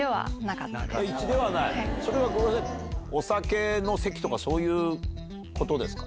それはお酒の席とかそういうことですか？